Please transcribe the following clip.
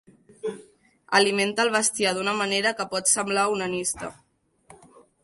Alimenta el bestiar d'una manera que pot semblar onanista.